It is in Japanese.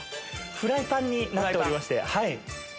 フライパンになっておりまして。